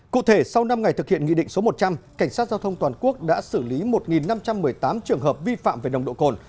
cụ thể sau năm ngày thực hiện nghị định số một trăm linh cảnh sát giao thông toàn quốc đã xử lý một năm trăm một mươi tám trường hợp vi phạm về nồng độ cồn